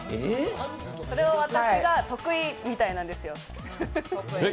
それを私が得意みたいなんですよ。